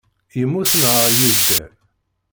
Yemmut neɣ yedder?